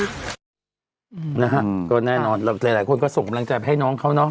นะครับก็แน่นอนหลายคนก็ส่งบัญญาณแจบให้น้องเขาเนอะ